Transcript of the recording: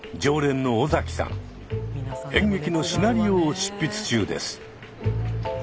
演劇のシナリオを執筆中です。